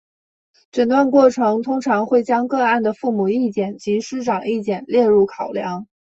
诊断过程通常会将个案的父母意见及师长意见列入考量。